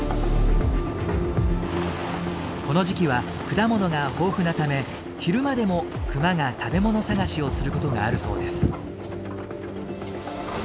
この時期は果物が豊富なため昼間でもクマが食べ物探しをすることがあるそうです。